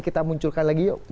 kita munculkan lagi yuk